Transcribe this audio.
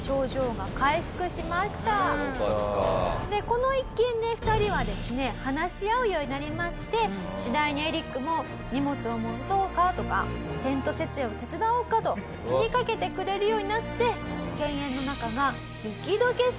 この一件で２人はですね話し合うようになりまして次第にエリックも「荷物を持とうか？」とか「テント設営を手伝おうか？」と気にかけてくれるようになって犬猿の仲が雪解けする結果になったと。